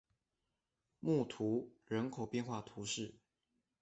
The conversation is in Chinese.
穆图人口变化图示